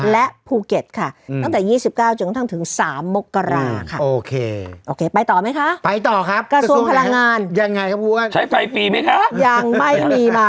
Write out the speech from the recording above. และภูเก็ตค่ะตั้งแต่๒๙จนกระทั่งถึง๓มกราค่ะ